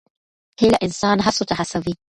هیله انسان هڅو ته هڅوي.